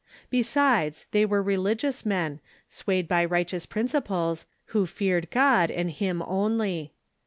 Besides, they were religious men, swayed by righteous principles, who feared God, and him only.